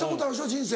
人生。